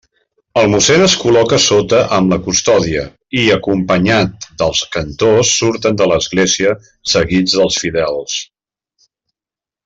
El mossèn es col·loca sota amb la custòdia, i acompanyat dels cantors surten de l'església, seguits dels fidels.